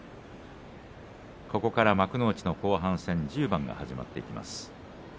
ここから幕内の後半戦１０番が始まります。